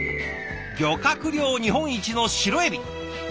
漁獲量日本一のシロエビ。